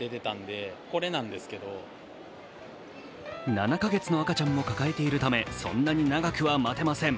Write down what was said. ７か月の赤ちゃんを抱えているためそんなに長くは待てません。